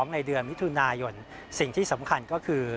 ในเดือนมิถุนายนสิ่งที่สำคัญก็คือ